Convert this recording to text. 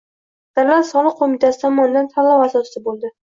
Davlat soliq qoʻmitasi tomonidan tanlov asosida bo'ldi.